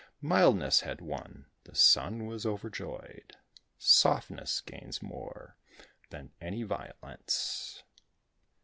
Mildness had won the Sun was overjoyed: Softness gains more than any violence.